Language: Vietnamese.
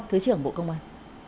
thứ trưởng bộ công an